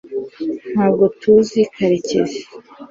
ntabwo tuzi karekezi